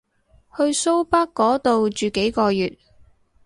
去蘇北嗰度住幾個月